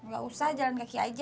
gak usah jalan kaki aja